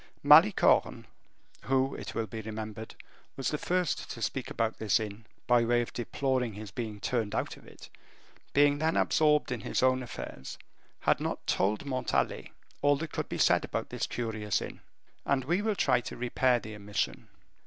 Malicorne, who, it will be remembered, was the first to speak about this inn, by way of deploring his being turned out of it, being then absorbed in his own affairs, had not told Montalais all that could be said about this curious inn; and we will try to repair the omission.